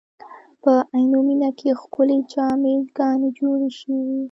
په عینومېنه کې ښکلې جامع ګانې جوړې شوې.